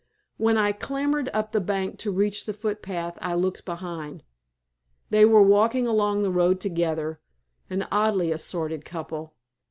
When I clambered up the bank to reach the footpath I looked behind. They were walking along the road together an oddly assorted couple.